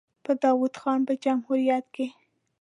په داوود خان په جمهوریت کې.